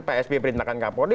pak sp perintahkan kapolri